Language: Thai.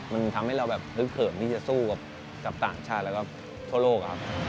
มันทำให้เรารึกเขิมที่จะสู้กับกับต่างชาติและกับทั่วโลก